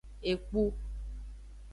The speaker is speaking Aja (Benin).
Ekpu.